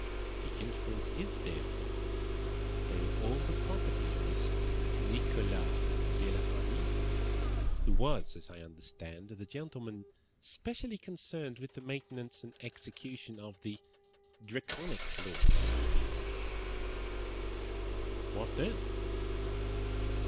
The inference is, therefore, that they were all the property of this Nicholas de la Reynie, who was, as I understand, the gentleman specially concerned with the maintenance and execution of the Draconic laws of that epoch." "What then?"